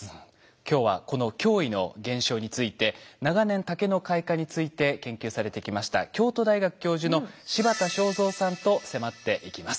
今日はこの驚異の現象について長年竹の開花について研究されてきました京都大学教授の柴田昌三さんと迫っていきます。